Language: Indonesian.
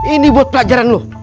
ini buat pelajaran lo